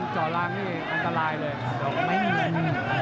เจาะล้างนี่อันตรายเลย